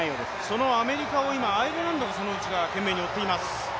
そのアメリカをアイルランドがその内側、懸命に追っています。